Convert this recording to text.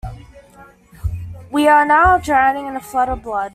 We are now drowning in a flood of blood...